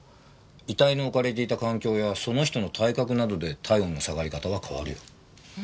遺体の置かれていた環境やその人の体格などで体温の下がり方は変わるよ。